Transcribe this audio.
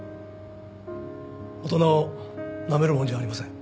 大人をなめるもんじゃありません。